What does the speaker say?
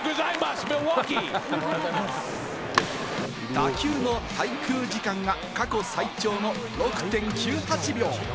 打球の滞空時間が過去最長の６．９８秒。